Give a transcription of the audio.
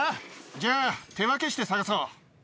じゃあ手分けして探そう。